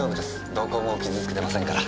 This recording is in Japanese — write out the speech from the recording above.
どこも傷つけてませんから。